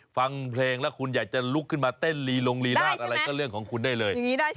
ฟังเพลงแล้วคุณอยากจะลุกขึ้นมาเต้นลีลงลีลาศอะไรก็เรื่องของคุณได้เลย